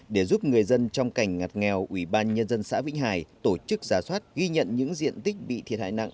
để giúp người dân trong cảnh ngặt nghèo ubnd xã vĩnh hải tổ chức giá soát ghi nhận những diện tích bị thiệt hại nặng